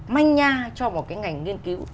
manh nha cho một cái ngành nghiên cứu